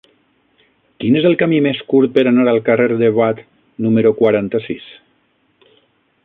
Quin és el camí més curt per anar al carrer de Watt número quaranta-sis?